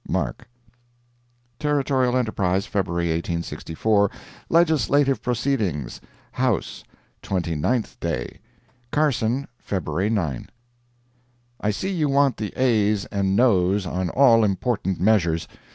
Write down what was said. —MARK.] Territorial Enterprise, February 1864 LEGISLATIVE PROCEEDINGS HOUSE—TWENTY NINTH DAY Carson, February 9. I see you want the ayes and noes on all important measures.